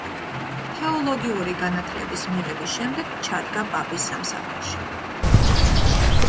თეოლოგიური განათლების მიღების შემდეგ ჩადგა პაპის სამსახურში.